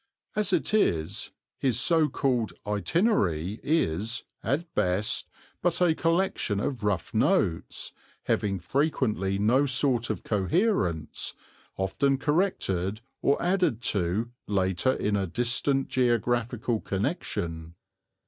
As it is, his so called Itinerary is, at best, but a collection of rough notes, having frequently no sort of coherence, often corrected or added to later in a distant geographical connection.